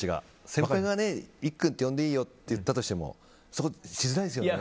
先輩がいっくんって呼んでいいよって言ってもそこはしづらいですよね。